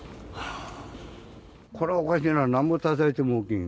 これはおかしいな、なんぼたたいても起きん。